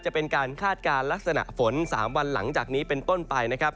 จะเป็นการคาดการณ์ลักษณะฝน๓วันหลังจากนี้เป็นต้นไปนะครับ